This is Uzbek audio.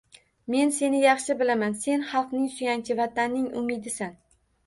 Men seni yaxshi bilaman, sen — xalqning suyanchi, Vatanning umidisan.